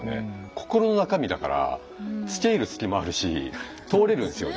心の中身だからつけいる隙もあるし通れるんですよね。